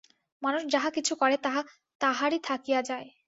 মানুষ যাহা কিছু করে, তাহা তাহারই থাকিয়া যায়।